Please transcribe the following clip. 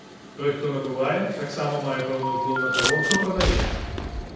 Той, хто набывае, таксама мае пэўны ўплыў на таго, хто прадае.